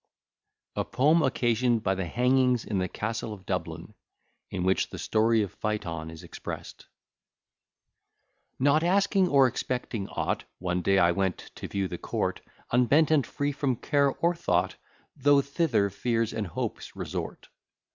A POEM OCCASIONED BY THE HANGINGS IN THE CASTLE OF DUBLIN, IN WHICH THE STORY OF PHAETHON IS EXPRESSED Not asking or expecting aught, One day I went to view the court, Unbent and free from care or thought, Though thither fears and hopes resort.